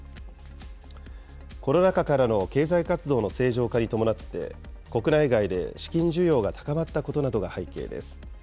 コロナ禍からの経済活動の正常化に伴って、国内外で資金需要が高まったことなどが背景です。